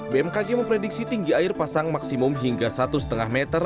bmkg memprediksi tinggi air pasang maksimum hingga satu lima meter